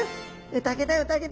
宴だ宴だ